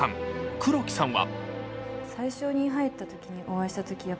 黒木さんは。